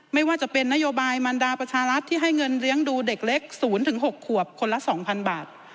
ไม่ว่าจะเป็นนโยบายมันดาประชารัฐที่ให้เงินเลี้ยงดูเด็กเล็ก๐๖ขวบคนละ๒๐๐๐บาท